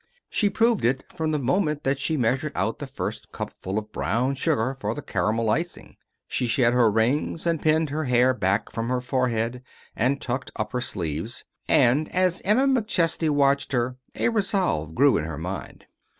She proved it from the moment that she measured out the first cupful of brown sugar for the caramel icing. She shed her rings, and pinned her hair back from her forehead, and tucked up her sleeves, and as Emma McChesney watched her a resolve grew in her mind.